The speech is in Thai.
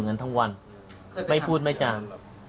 ดีแล้วของพวกชาย